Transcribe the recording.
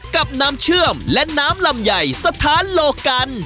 กับน้ำเชื่อมและน้ำลำใหญ่สถานโลกัน